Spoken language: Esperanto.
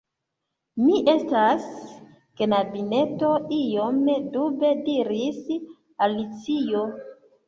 "Mi estas... knabineto," iom dube diris Alicio